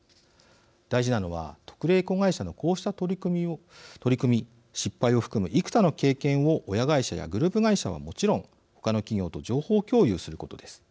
大事なのは特例子会社のこうした取り組み失敗を含む幾多の経験を親会社やグループ会社はもちろん他の企業と情報共有することです。